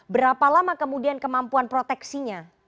berapa lama kemudian kemampuan proteksinya